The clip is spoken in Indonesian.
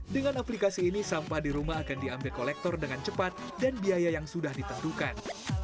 dengan aplikasi ini sampah di rumah akan diambil kolektor dengan cepat dan biaya yang sudah ditentukan